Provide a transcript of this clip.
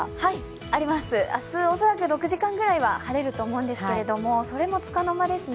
あります、明日、恐らく６時間くらいは晴れると思うんですがそれも束の間ですね。